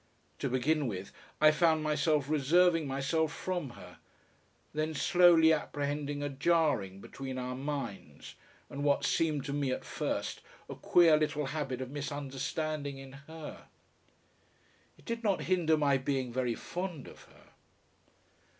To begin with, I found myself reserving myself from her, then slowly apprehending a jarring between our minds and what seemed to me at first a queer little habit of misunderstanding in her.... It did not hinder my being very fond of her....